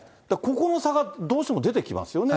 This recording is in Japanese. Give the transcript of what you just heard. ここの差がどうしても出てきますよね。